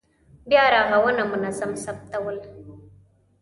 بیا رغونه منظم ثبتول.